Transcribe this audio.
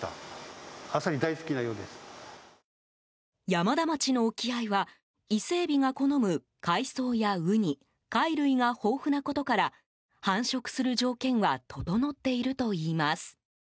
山田町の沖合はイセエビが好む海藻やウニ貝類が豊富なことから繁殖する条件は整っているといいます。